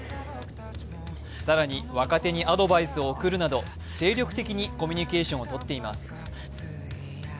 更に、若手にアドバイスを送るなど精力的にコミュニケーションをとっています。